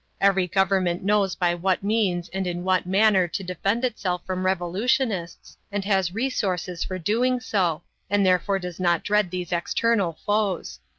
Every government knows by what means and in what manner to defend itself from revolutionists, and has resources for doing so, and therefore does not dread these external foes.